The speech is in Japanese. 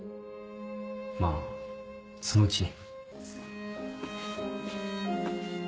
まぁそのうちね。